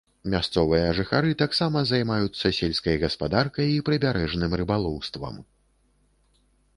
Мясцовыя жыхары таксама займаюцца сельскай гаспадаркай і прыбярэжным рыбалоўствам.